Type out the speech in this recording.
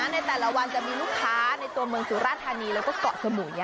ในแต่ละวันจะมีลูกค้าในตัวเมืองสุราธานีแล้วก็เกาะสมุย